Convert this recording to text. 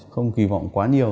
không kỳ vọng quá nhiều